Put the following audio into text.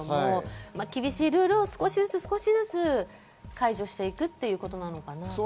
厳しいルールを少しずつ解除していくということなのかなと。